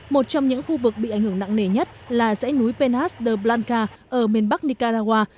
một trong những khu vực bị ảnh hưởng nặng nề nhất là dãy núi penhas de blanka ở miền bắc nicaragua